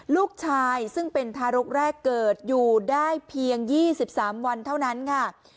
ลูกชายซึ่งเป็นทารกแรกเกิดอยู่ได้เพียง๒๓วันเท่านั้นค่ะ